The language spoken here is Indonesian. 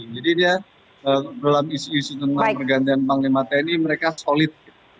jadi dia dalam isi isi tentang pergantian panglima tni mereka solid